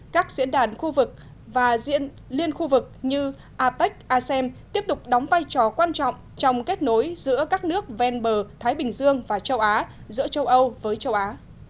các diễn đàn khu vực và liên khu vực như apec asem tiếp tục đóng vai trò quan trọng trong kết nối giữa các nước ven bờ thái bình dương và châu á giữa châu âu với châu á